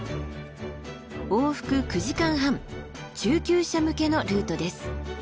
往復９時間半中級者向けのルートです。